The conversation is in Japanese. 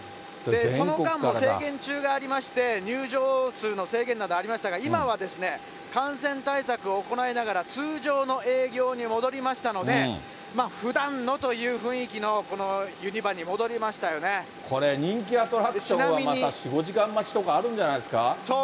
その間も、制限中がありまして、入場数の制限などありましたが、今は感染対策を行いながら、通常の営業に戻りましたので、ふだんのという雰囲気の、これ、人気アトラクション、また４、５時間待ちとかあるんじゃないですか？